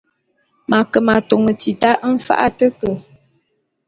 M’ ake m’atôn tita mfa’a a te ke.